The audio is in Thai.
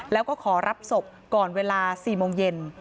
แล้วก็ขอรับศพก่อนเวลา๔โมงเย็น